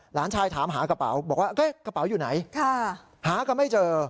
หลานชายถามหากระเป๋าบอกว่ากระเป๋าอยู่ไหนหากันไม่เจอ